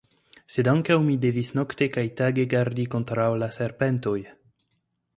Sed ankaŭ mi devis nokte kaj tage gardi kontraŭ la serpentoj.